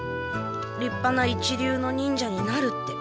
りっぱな一流の忍者になるって。